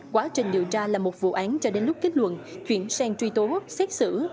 quá trình điều tra là một vụ án cho đến lúc kết luận chuyển sang truy tố xét xử